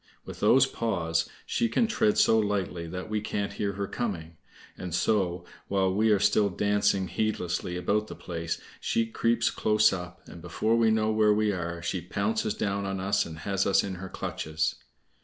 With those paws she can tread so lightly that we can't hear her coming. And so, while we are still dancing heedlessly about the place, she creeps close up, and before we know where we are she pounces down on us and has us in her clutches.